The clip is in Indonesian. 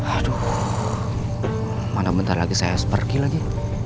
aduh mana bentar lagi saya pergi lagi